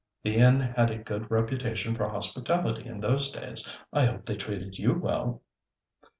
The inn had a good reputation for hospitality in those days. I hope they treated you well?'